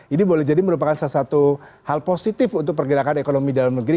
ini boleh jadi merupakan salah satu hal positif untuk pergerakan ekonomi dalam negeri